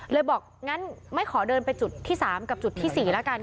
เลยบอกงั้นไม่ขอเดินไปจุดที่สามกับจุดที่สี่ละกัน